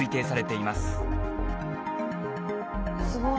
すごい。